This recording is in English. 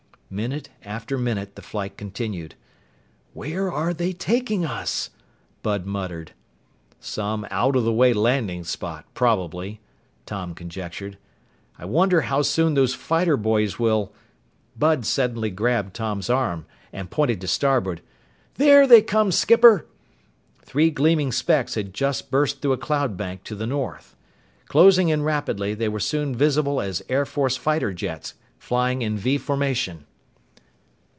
Minute after minute, the flight continued. "Where are they taking us?" Bud muttered. "Some out of the way landing spot probably," Tom conjectured. "I wonder how soon those fighter boys will " Bud suddenly grabbed Tom's arm and pointed to starboard. "There they come, skipper!" Three gleaming specks had just burst through a cloud bank to the north. Closing in rapidly, they were soon visible as Air Force fighter jets, flying in V formation.